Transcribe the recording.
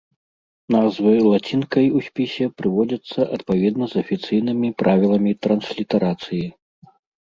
Назвы лацініцай у спісе прыводзяцца адпаведна з афіцыйнымі правіламі транслітарацыі.